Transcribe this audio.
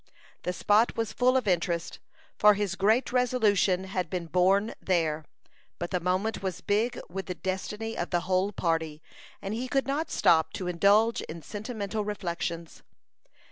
The spot was full of interest, for his great resolution had been born there; but the moment was big with the destiny of the whole party, and he could not stop to indulge in sentimental reflections.